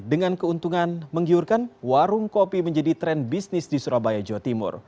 dengan keuntungan menggiurkan warung kopi menjadi tren bisnis di surabaya jawa timur